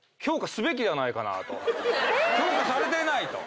評価されていないと。